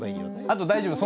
あと大丈夫？